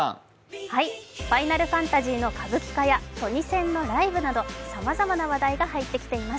「ＦＩＮＡＬＦＡＮＴＡＳＹ」の歌舞伎化やトニセンのライブなどさまざまな話題が入ってきています。